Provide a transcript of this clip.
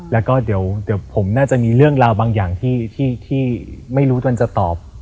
แล้วก็เดี๋ยวผมน่าจะมีเรื่องราวบางอย่างที่ไม่รู้ตนจะตอบ